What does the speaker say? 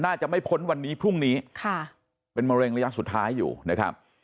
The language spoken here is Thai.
น่าจะไม่พ้นวันนี้พรุ่งนี้ค่ะเป็นมะเร็งระยะสุดท้ายอยู่นะครับ